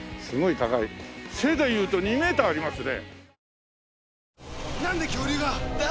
背でいうと２メーターありますね。